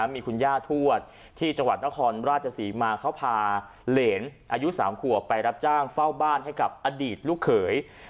มีคุณย่าทวดที่จังหวัดนครราชศรีมาเขาพาเหรนอายุ๓ขวบไปรับจ้างเฝ้าบ้านให้กับอดีตลูกเขย